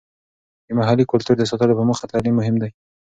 د محلي کلتور د ساتلو په موخه تعلیم مهم دی.